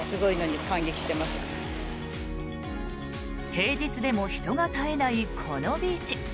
平日でも人が絶えないこのビーチ。